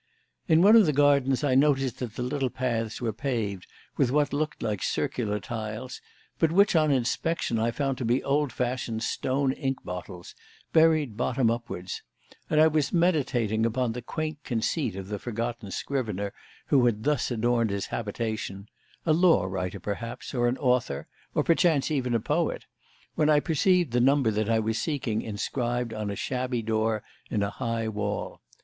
In one of the gardens I noticed that the little paths were paved with what looked like circular tiles, but which, on inspection, I found to be old fashioned stone ink bottles, buried bottom upwards; and I was meditating upon the quaint conceit of the forgotten scrivener who had thus adorned his habitation a law writer perhaps, or an author, or perchance even a poet when I perceived the number that I was seeking inscribed on a shabby door in a high wall.